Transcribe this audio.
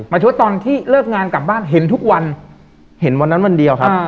ชดตอนที่เลิกงานกลับบ้านเห็นทุกวันเห็นวันนั้นวันเดียวครับ